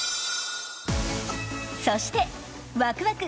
そして、ワクワク！